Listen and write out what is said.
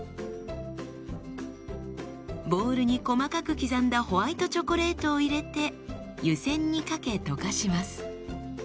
ボウルに細かく刻んだホワイトチョコレートを入れて湯せんにかけ溶かします。